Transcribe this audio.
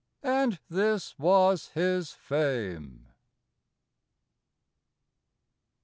And this was his fame!